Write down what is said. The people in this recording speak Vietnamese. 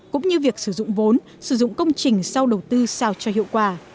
cũng như việc sử dụng vốn sử dụng công trình sau đầu tư sao cho hiệu quả